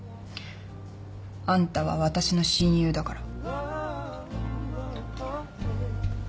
あんたは私の親友だから。